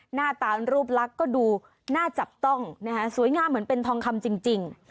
หน้าตารูปลักษณ์ก็ดูน่าจับต้องนะฮะสวยงามเหมือนเป็นทองคำจริง